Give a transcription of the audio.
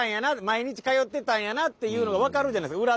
毎日通ってたんやなっていうのが分かるじゃないですか